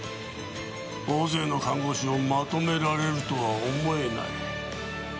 大勢の看護師をまとめられるとは思えない。